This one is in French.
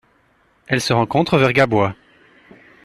Elle se rencontre vers Gaboua.